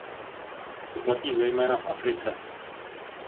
To platí zejména v Africe.